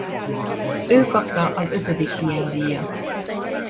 Ő kapta az ötödik ilyen díjat.